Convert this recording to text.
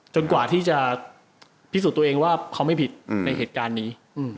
กว่าที่จะพิสูจน์ตัวเองว่าเขาไม่ผิดในเหตุการณ์นี้